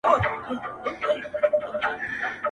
راځه د ژوند په چل دي پوه کړمه زه.